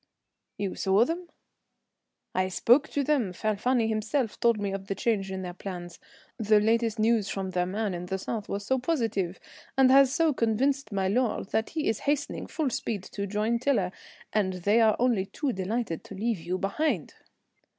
"You saw them?" "I spoke to them. Falfani himself told me of the change in their plans. The latest news from their man in the south was so positive, and has so convinced my lord, that he is hastening full speed to join Tiler, and they are only too delighted to leave you behind."